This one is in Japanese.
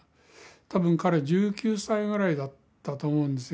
多分彼１９歳ぐらいだったと思うんですよ。